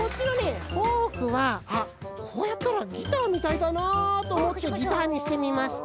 フォークは「あっこうやったらギターみたいだな」とおもってギターにしてみました。